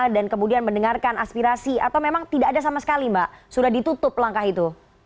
dan kemudian mendengarkan aspirasi atau memang tidak ada sama sekali mbak sudah ditutup langkah itu